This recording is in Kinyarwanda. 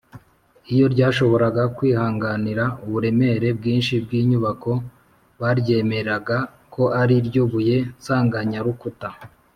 iyo ryashoboraga kwihanganira uburemere bwinshi bw’inyubako, baryemeraga ko ari ryo buye nsanganyarukuta